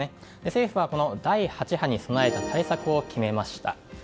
政府はこの第８波に備えた対策を決めました。